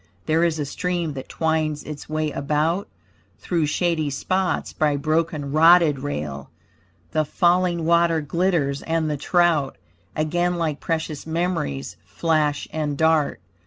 There is a stream that twines its way about Through shady spots, by broken, rotted rail. The falling water glitters, and the trout, Again, like precious memories, flash and dart.